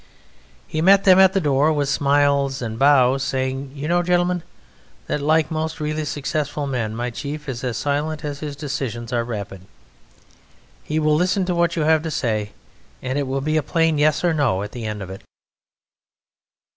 He met them at the door with smiles and bows, saying: "You know, gentlemen, that like most really successful men, my chief is as silent as his decisions are rapid; he will listen to what you have to say, and it will be a plain yes or no at the end of it."